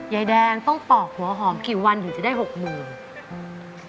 ยายแดงต้องปอกหัวหอมกี่วันถึงจะได้หกหมื่นอืม